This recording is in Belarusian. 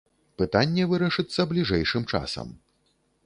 Пытанне вырашыцца бліжэйшым часам.